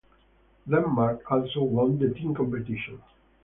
Denmark also won the team competition.